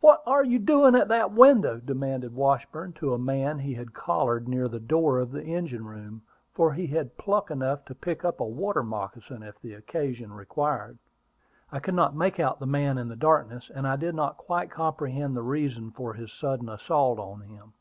"What are you doing at that window?" demanded Washburn, to a man he had collared near the door of the engine room, for he had pluck enough to pick up a water moccasin, if the occasion required. I could not make out the man in the darkness; and I did not quite comprehend the reason for his sudden assault on him.